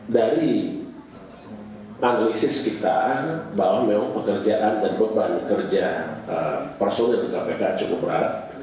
dari analisis kita bahwa memang pekerjaan dan beban kerja personil di kpk cukup berat